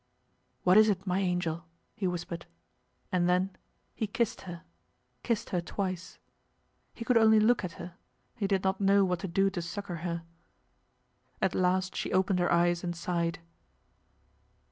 'What is it, my angel?' he whispered, and then he kissed her kissed her twice. He could only look at her; he did not know what to do to succour her. At last she opened her eyes and sighed.